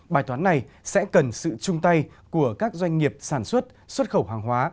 bài toán này sẽ cần sự chung tay của các doanh nghiệp sản xuất xuất khẩu hàng hóa